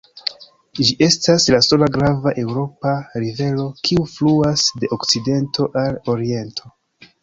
Ĝi estas la sola grava eŭropa rivero, kiu fluas de okcidento al oriento.